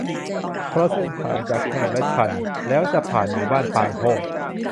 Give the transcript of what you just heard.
เพราะเส้นทางจะแคบและชัน แล้วจะผ่านหมู่บ้านปางโฮ่ง